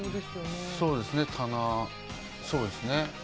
そうですね、棚、そうですね。